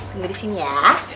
tunggu di sini ya